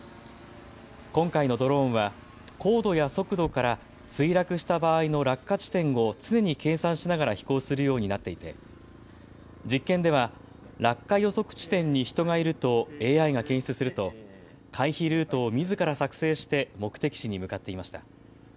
今回のドローンは高度や速度から墜落した場合の落下地点を常に計算しながら飛行するようになっていて実験では落下予測地点に人がいるとＡＩが検出すると回避ルートをみずから作成して目的地に向かっていました。